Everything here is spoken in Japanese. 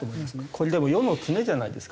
これでも世の常じゃないですか？